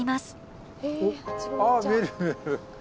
ああ見える見える。